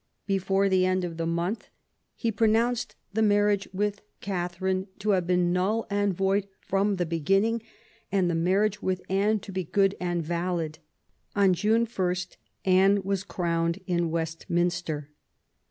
Before the end of the month he pro nounced the marriage with Catherine to have been null and void from the beginning, and the marriage with Anne to be good and valid. On June i, Anne was crowned in Westminster.